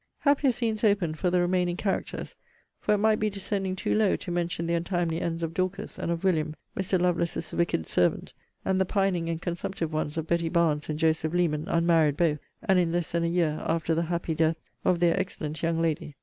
Happier scenes open for the remaining characters; for it might be descending too low to mention the untimely ends of Dorcas, and of William, Mr. Lovelace's wicked servant; and the pining and consumptive one's of Betty Barnes and Joseph Leman, unmarried both, and in less than a year after the happy death of their excellent young lady.